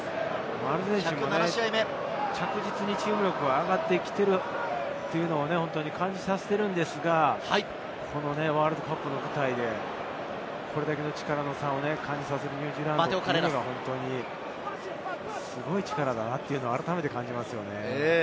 アルゼンチンも着実にチーム力は上がってきているのを感じさせているのですが、ワールドカップの舞台でこれだけの力の差を感じさせるニュージーランドは、本当にすごい力だなと改めて感じますね。